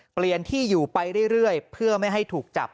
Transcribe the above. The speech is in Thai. เปลี่ยนที่อยู่ไปเรื่อยเพื่อไม่ให้ถูกจับ